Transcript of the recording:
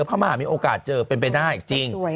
พม่ามีโอกาสเจอเป็นเป็นหน้าอีกจริง